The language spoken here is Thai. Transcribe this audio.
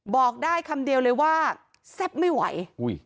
บอกได้คำเดียวเลยว่าแซ่บไม่ไหว